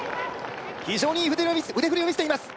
非常にいい腕振りを見せています